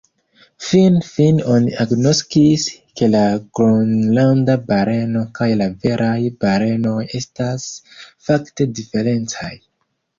Finfine, oni agnoskis, ke la Gronlanda baleno kaj la veraj balenoj estas fakte diferencaj.